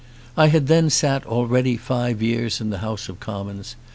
I had then already sat five years in the House of Commons.